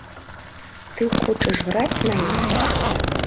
Ты хочаш граць на ім?